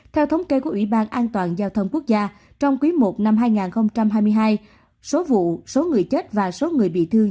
theo thống kê của ủy ban an toàn giao thông quốc gia trong quý i năm hai nghìn hai mươi hai số vụ số người chết và số người bị thương